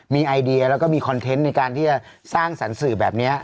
มีไอเดียแล้วก็มีคอนเทนต์ในการที่จะสร้างสรรค์สื่อแบบนี้